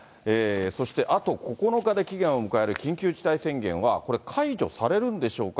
そしてあと９日で期限を迎える緊急事態宣言はこれ、解除されるんでしょうか。